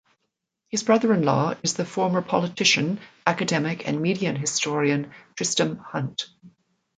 His brother-in-law is the former politician, academic and media historian Tristram Hunt.